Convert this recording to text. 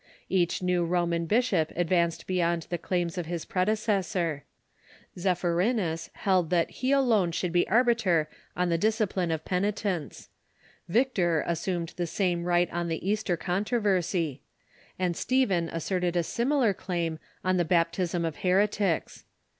Each new Roman bishop advanced beyond the claims of his predecessor. Zephyrinus held that he alone should be arbiter on the discipline of penitents ; Victor assumed the same right on the Easter controversy ; and Stephen asserted a similar claim on the baptism of heretics.